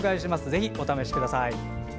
ぜひお試しください。